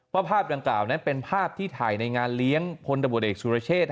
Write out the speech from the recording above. ภาพดังกล่าวนั้นเป็นภาพที่ถ่ายในงานเลี้ยงพลตำรวจเอกสุรเชษ